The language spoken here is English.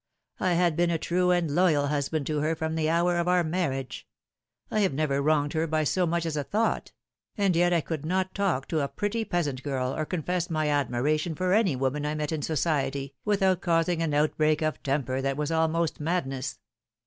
I had been a true and loyal husband to her from the hour of our marriage. I had never wronged her by so much as a thought ; and yet I could not talk to a pretty peasant girl, or confess my admiration for any woman I met in society, without causing an outbreak of temper that was almost madness.